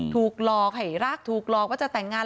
ถูกหลอกให้รักถูกหลอกว่าจะแต่งงาน